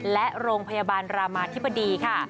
และโรงพยาบาลรามาธิบดีค่ะ